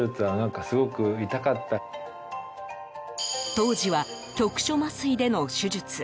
当時は局所麻酔での手術。